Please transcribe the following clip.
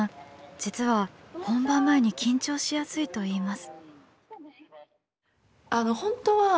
実は本番前に緊張しやすいといいます。